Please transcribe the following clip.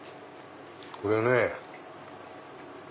これね。